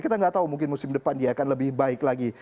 kita nggak tahu mungkin musim depan dia akan lebih baik lagi